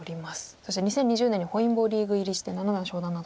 そして２０２０年に本因坊リーグ入りして七段昇段など。